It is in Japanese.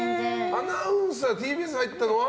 アナウンサーＴＢＳ入ったのは？